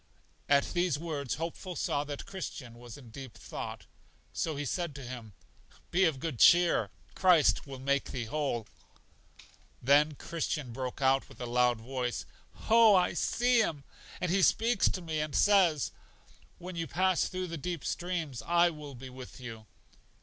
At these words Hopeful saw that Christian was in deep thought; so he said to him: Be of good cheer, Christ will make thee whole. Then Christian broke out with a loud voice: Oh, I see Him, and He speaks to me and says, When you pass through the deep streams, I will be with you.